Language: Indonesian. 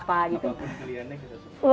apapun pilihannya kita support